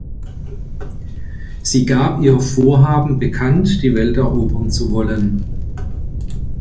Sie gab ihr Vorhaben bekannt, die Welt erobern zu wollen